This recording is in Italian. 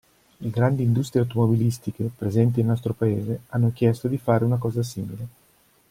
Le grandi industrie automobilistiche, presenti nel nostro paese, hanno chiesto di fare una cosa simile.